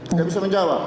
tidak bisa menjawab